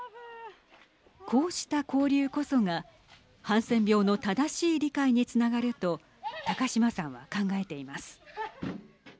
こうした交流こそがハンセン病の正しい理解につながると高島さんは考えています。